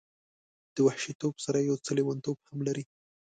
د وحشي توب سره یو څه لیونتوب هم لري.